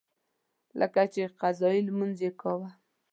لکه چې قضایي لمونځ یې کاوه.